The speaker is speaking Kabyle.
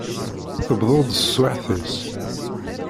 Tewweḍ-d teswiɛt-is.